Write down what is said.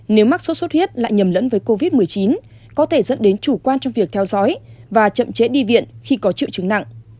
nếu mắc sốt xuất huyết lại nhầm lẫn với covid một mươi chín có thể dẫn đến chủ quan trong việc theo dõi và chậm chế đi viện khi có triệu chứng nặng